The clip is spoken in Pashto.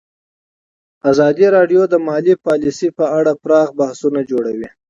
ازادي راډیو د مالي پالیسي په اړه پراخ بحثونه جوړ کړي.